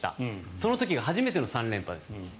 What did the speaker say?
その時が初めての３連覇です。